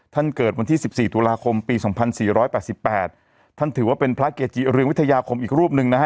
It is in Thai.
ท่านเกิดวันที่สิบสี่ธุระคมปีสองพันสี่ร้อยแปดสิบแปดท่านถือว่าเป็นพระเกจริงวิทยาคมอีกรูปหนึ่งนะฮะ